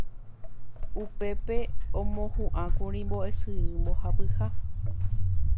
upépe omohu'ãkuri mbo'esyry mbohapyha